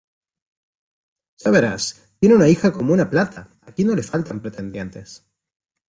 Ya verás ¡Tiene una hija como una plata! aquí no le faltan pretendientes.